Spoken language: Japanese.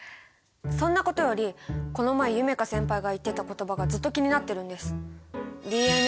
そんなことよりこの前夢叶先輩が言ってた言葉がずっと気になってるんです。